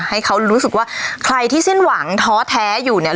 ให้เขารู้สึกว่าใครที่สิ้นหวังท้อแท้อยู่เนี่ย